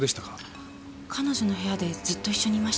彼女の部屋でずっと一緒にいましたけど。